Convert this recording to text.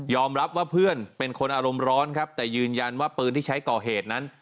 รับว่าเพื่อนเป็นคนอารมณ์ร้อนครับแต่ยืนยันว่าปืนที่ใช้ก่อเหตุนั้น